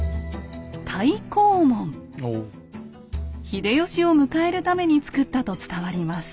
秀吉を迎えるために作ったと伝わります。